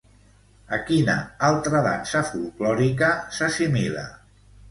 A quina altra dansa folklòrica s'assimila?